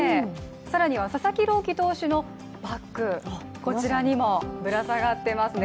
更には佐々木朗希選手のバッグ、こちらにもぶら下がっていますね。